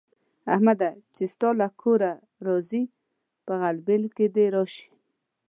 احمده! چې ستا له کوره راځي؛ په غلبېل کې دې راشي.